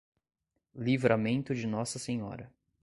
Livramento de Nossa Senhora